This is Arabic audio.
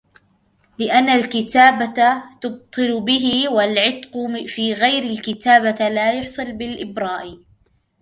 لِأَنَّ الْكِتَابَةَ تَبْطُلُ بِهِ وَالْعِتْقُ فِي غَيْرِ الْكِتَابَةِ لَا يَحْصُلُ بِالْإِبْرَاءِ